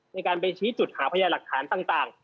ในการไปชี้จุดหาพยาหลักฐานต่าง